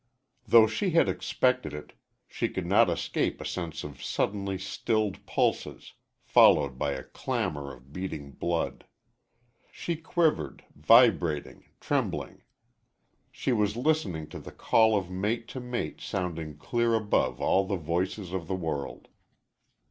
Though she had expected it, she could not escape a sense of suddenly stilled pulses followed by a clamor of beating blood. She quivered, vibrating, trembling. She was listening to the call of mate to mate sounding clear above all the voices of the world.